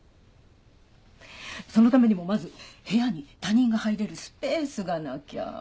そのためにもまず部屋に他人が入れるスペースがなきゃ。